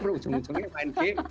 lalu ujung ujungnya main game